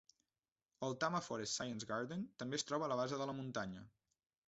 El Tama Forest Science Garden també es troba a la base de la muntanya.